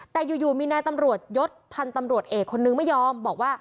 แต่อยู่มีนายตำรวจยศพันธ์ตำรวจเอกคนนึงไม่ยอมบอกว่า